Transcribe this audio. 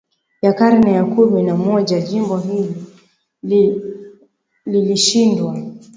ya karne ya kumi na moja jimbo hili lilishindwa